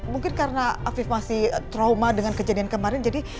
mungkin karena afif masih trauma dengan kejadian kemarin